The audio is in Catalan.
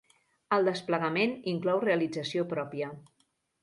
El desplegament inclou realització pròpia.